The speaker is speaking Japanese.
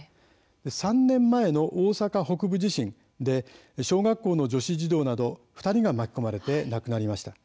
３年前の大阪北部地震で小学校の女子児童など２人が巻き込まれて亡くなりました。